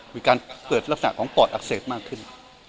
มีการเกิดลักษณะของปอดอักเสบมากขึ้น